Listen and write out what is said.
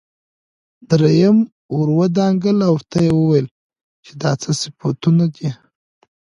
دريم ور ودانګل او ورته يې وويل چې دا څه صفتونه دي.